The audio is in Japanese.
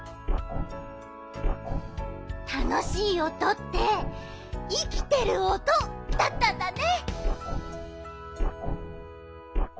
たのしいおとっていきてるおとだったんだね。